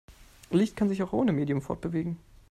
Licht kann sich auch ohne Medium fortbewegen.